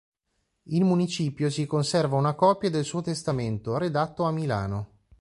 In municipio si conserva una copia del suo testamento, redatto a Milano.